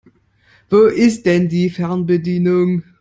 Wo ist denn die Fernbedienung?